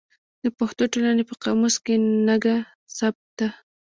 د پښتو ټولنې په قاموس کې نګه ثبت ده.